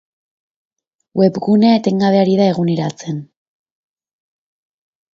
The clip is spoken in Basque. Webgunea etengabe ari da eguneratzen.